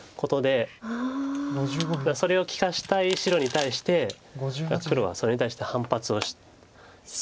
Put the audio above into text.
それを利かしたい白に対して黒はそれに対して反発をして。